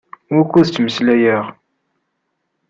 Wukkud ttmeslayeɣ?